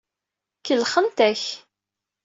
Kellxent-ak.